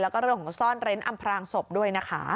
แล้วก็เรื่องของซ่อนเร้นอำพรางศพด้วยนะคะ